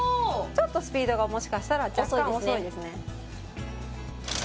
ちょっとスピードがもしかしたら若干遅いですね